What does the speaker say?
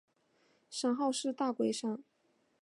山号是大龟山。